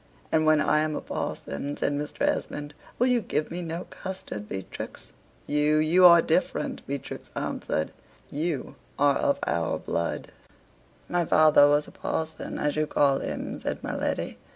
"And when I am a parson," says Mr. Esmond, "will you give me no custard, Beatrix?" "You you are different," Beatrix answered. "You are of our blood." "My father was a parson, as you call him," said my lady.